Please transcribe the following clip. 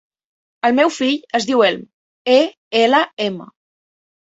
El meu fill es diu Elm: e, ela, ema.